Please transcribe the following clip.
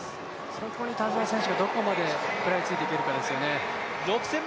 そこに田澤選手がどれだけ食らいついていけるかですよね。